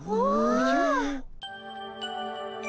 おじゃ。